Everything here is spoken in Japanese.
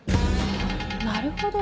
なるほど。